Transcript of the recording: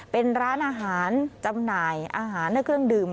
เป็นร้านอาหารจำหน่ายอาหารและเครื่องดื่ม